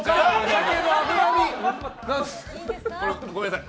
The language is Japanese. ごめんなさい。